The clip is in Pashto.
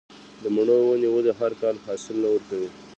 د مڼو ونې ولې هر کال حاصل نه ورکوي؟